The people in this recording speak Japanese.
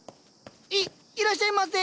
いいらっしゃいませ。